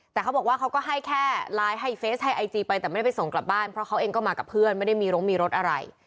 แต่เขาบอกว่าเขาก็ให้แค่ไลน์ให้เฟสให้ไอจีไปแต่ไม่ได้ไปส่งกลับบ้านเพราะเขาเองก็มากับเพื่อนไม่ได้มีโรงมีรถอะไร